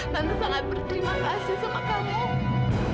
kami sangat berterima kasih sama kamu